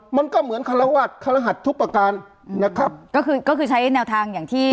มันก็เหมือนคารวาสครหัสทุกประการนะครับก็คือก็คือใช้แนวทางอย่างที่